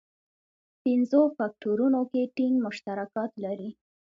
پنځو فکټورونو کې ټینګ مشترکات لري.